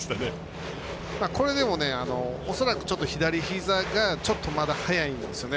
これでも、恐らく左ひざがちょっとまだ早いんですよね。